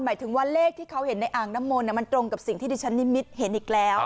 หมายถึงว่าเลขที่เขาเห็นในอ่างน้ำมนต์มันตรงกับสิ่งที่ดิฉันนิมิตเห็นอีกแล้ว